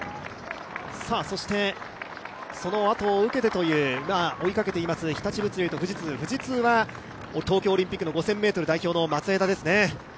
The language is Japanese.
そしてそのあとを受けてという、追いかけています日立物流と富士通富士通は東京オリンピックの５０００ｍ代表、松枝ですね。